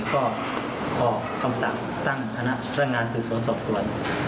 ก็ออกกำศัพท์ตั้งคณะร่างงานสืบสวนสอบสวน